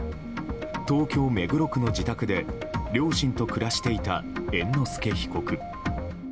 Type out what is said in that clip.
東京・目黒区の自宅で両親と暮らしていた猿之助被告。